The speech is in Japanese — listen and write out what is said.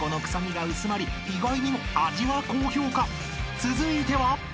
［続いては］